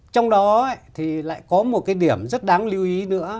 trong đó thì lại có một cái điểm rất đáng lưu ý nữa